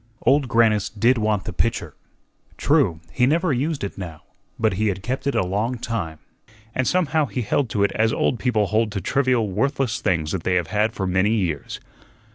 Old Grannis did want the pitcher; true, he never used it now, but he had kept it a long time, and somehow he held to it as old people hold to trivial, worthless things that they have had for many years.